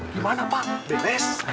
gimana pak beres